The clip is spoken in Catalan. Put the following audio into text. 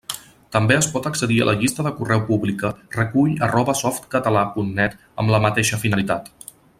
També es pot accedir a la llista de correu pública recull@softcatala.net amb la mateixa finalitat.